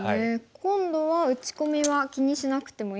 今度は打ち込みは気にしなくてもいいんですか？